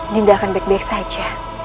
dinda akan baik baik saja